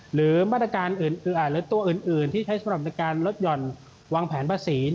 หรือมาตรการตัวอื่นที่ใช้สำหรับรถยนต์วางแผนภาษี